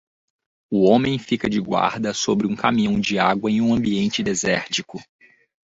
O homem fica de guarda sobre um caminhão de água em um ambiente desértico